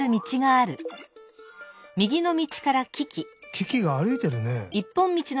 キキが歩いてるね。